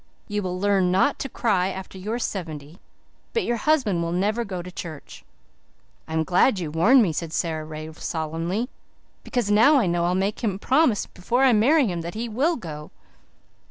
You will learn not to cry after you are seventy; but your husband will never go to church." "I'm glad you warned me," said Sara Ray solemnly, "because now I know I'll make him promise before I marry him that he will go."